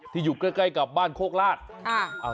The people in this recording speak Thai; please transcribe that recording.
ที่อยู่ใกล้กับบ้านโคกราช